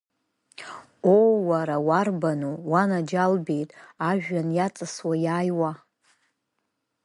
Оо, уара, уарбану уанаџьалбеит ажәҩан иаҵасуа иааиуа?!